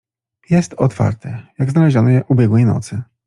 "Jest otwarte, jak znaleziono je ubiegłej nocy."